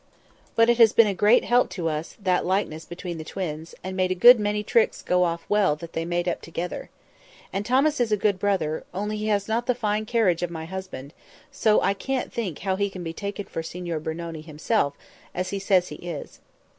But it has been a great help to us that likeness between the twins, and made a good many tricks go off well that they made up together. And Thomas is a good brother, only he has not the fine carriage of my husband, so that I can't think how he can be taken for Signor Brunoni himself, as he says he is."